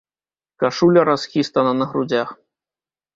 Кашуля расхістана на грудзях.